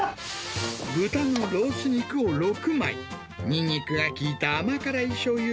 豚のロース肉を６枚、ニンニクが効いた甘辛いしょうゆ